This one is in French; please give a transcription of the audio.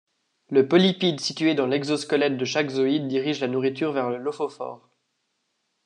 Le polypide situé dans l'exosquelette de chaque zoïde dirige la nourriture vers le lophophore.